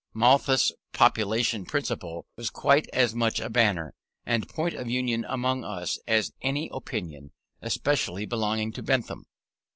Malthus's population principle was quite as much a banner, and point of union among us, as any opinion specially belonging to Bentham.